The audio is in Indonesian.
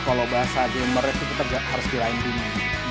kalau bahasa gamer itu kita harus dirinding aja